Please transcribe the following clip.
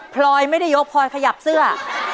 พลอยไม่ได้ยกพลอยขยับเสื้อ